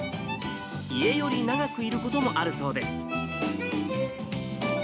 家より長くいることもあるそうです。